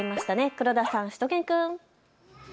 黒田さん、しゅと犬くん。